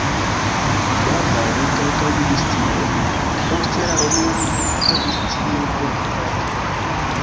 Baldaŭe keltoj vivis tie, poste la romianoj havis tie fortikaĵon.